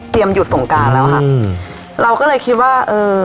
หยุดสงการแล้วค่ะอืมเราก็เลยคิดว่าเออ